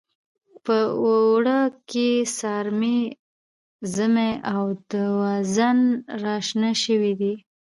په اواړه کې سارمې، زمۍ او دوزان راشنه شوي دي.